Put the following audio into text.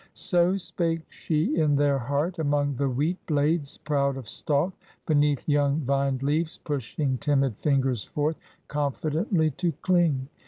So spake she in their heart, Among the wheat blades proud of stalk; beneath Young vine leaves pushing timid fingers forth, Confidently to cling.